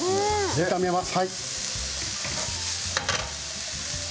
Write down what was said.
炒めます。